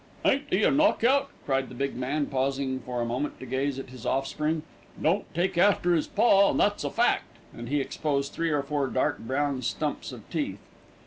"Ain't 'e a knock out?" cried the big man, pausing for a moment to gaze at his offspring. "Don't take after 'is pa, and that's a fact," and he exposed three or four dark brown stumps of teeth.